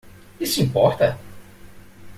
Isso importa?